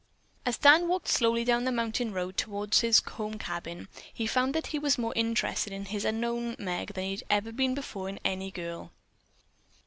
As Dan walked slowly down the mountain road toward his home cabin, he found that he was more interested in this unknown Meg than he had ever before been in any girl.